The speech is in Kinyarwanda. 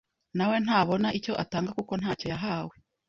na we ntabona icyo atanga kuko nta cyo yahawe.